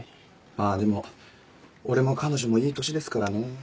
まぁでも俺も彼女もいい年ですからね。